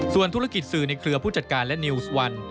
ส่วนธุรกิจสื่อในเครือผู้จัดการและนิวส์วัน